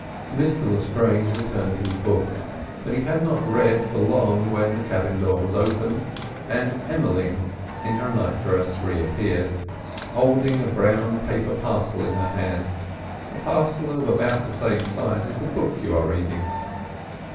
Mr Lestrange returned to his book, but he had not read for long when the cabin door was opened, and Emmeline, in her nightdress, reappeared, holding a brown paper parcel in her hand, a parcel of about the same size as the book you are reading.